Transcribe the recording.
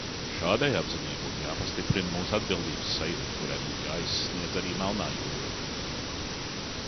Šādai apziņai būtu jāpastiprina mūsu atbildības sajūta, kurai būtu jāaizsniedz arī Melnā jūra.